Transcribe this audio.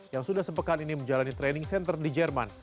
yang sudah sepekan ini menjalani training center di jerman